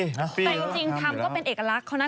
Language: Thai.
แต่จริงทำก็เป็นเอกลักษณ์เขานะ